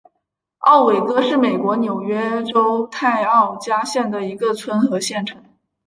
奥韦戈是美国纽约州泰奥加县的一个村和县城。